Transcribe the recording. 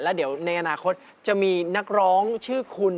แล้วเดี๋ยวในอนาคตจะมีนักร้องชื่อคุณ